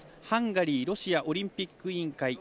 ハンガリーロシアオリンピック委員会